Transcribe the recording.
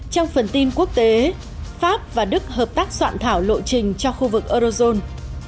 trong phần tin quốc tế pháp và đức hợp tác soạn thảo lộ trình cho khu vực eurozone